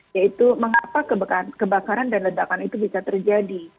yaitu mengapa kebakaran dan ledakan itu bisa terjadi